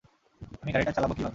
আমি গাড়িটা চালাবো কীভাবে?